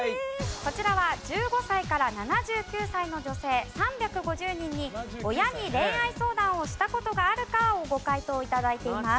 こちらは１５歳から７９歳の女性３５０人に親に恋愛相談をした事があるかをご回答頂いています。